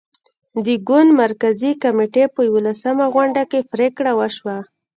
د ګوند مرکزي کمېټې په یوولسمه غونډه کې پرېکړه وشوه.